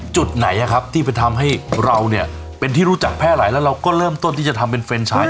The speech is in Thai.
จุดไหนที่ไปทำให้เราเนี่ยเป็นที่รู้จักแพร่หลายแล้วเราก็เริ่มต้นที่จะทำเป็นเฟรนชาย